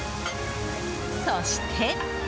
そして。